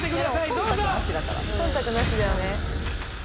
どうぞ忖度なしだよね